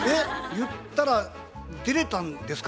言ったら出れたんですか？